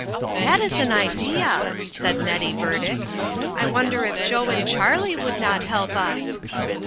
" That is an idea !" said Nettie Burdick. " I wonder if Joe and Charlie would not help us?"